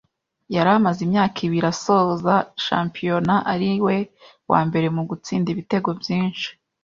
yari amaze imyaka ibiri asoza shampiyona ari we wa mbere mu gutsinda ibitego byinshi